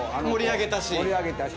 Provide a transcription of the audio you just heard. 盛り上げたし。